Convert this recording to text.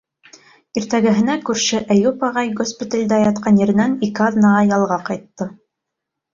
Иртәгәһенә күрше Әйүп ағай госпиталдә ятҡан еренән ике аҙнаға ялға ҡайтты.